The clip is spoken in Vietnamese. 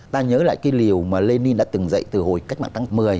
ta nhớ lại cái liều mà lê ninh đã từng dạy từ hồi cách mạng tăng một mươi